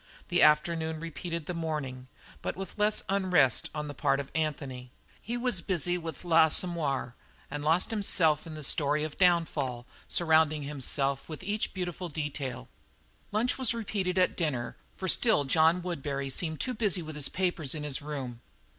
The afternoon repeated the morning, but with less unrest on the part of Anthony. He was busy with L'Assommoir, and lost himself in the story of downfall, surrounding himself with each unbeautiful detail. Lunch was repeated at dinner, for still John Woodbury seemed to be "busy with papers in his room."